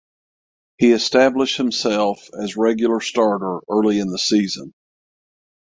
He established himself as regular starter early in the season.